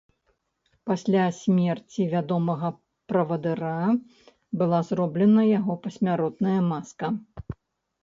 Пасля смерці вядомага правадыра была зроблена яго пасмяротная маска.